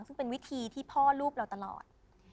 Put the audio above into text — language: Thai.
ซึ่งเป็นวิธีที่พ่อรูปเราตลอด